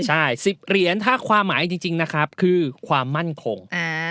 ใช่๑๐เหรียญถ้าความหมายจริงนะครับคือความมั่นคง